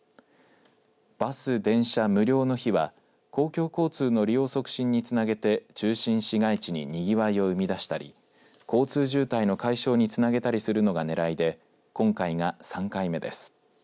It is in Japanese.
バス・電車無料の日は公共交通の利用促進につなげて中心市街地ににぎわいを生み出したり交通渋滞の解消につなげたりするのがねらいで今回が３回目です。